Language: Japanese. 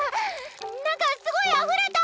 なんかすごいあふれた！